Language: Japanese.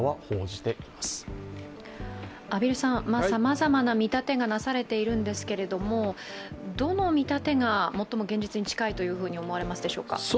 さまざまな見立てがなされているんですけれども、どの見立てが最も現実に近いというふうに思われますか？